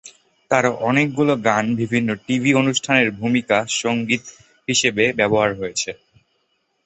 তার অনেকগুলো গান বিভিন্ন টিভি অনুষ্ঠানের ভুমিকা সংগীত হিসেবে ব্যবহার হয়েছে।